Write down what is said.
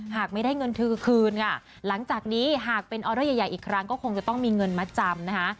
หากไม่ได้เงินเธอคืนค่ะหลังจากนี้หากเป็นออเดอร์ใหญ่อีกครั้งก็คงจะต้องมีเงินมาจำนะคะ